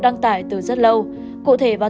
đăng tải từ rất lâu cụ thể vào